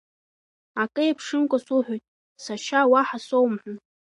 Акы еиԥшымкәа суҳәоит, сашьа, уаҳа соумҳәан.